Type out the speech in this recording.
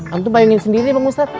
antum fayungin sendiri bang ustadz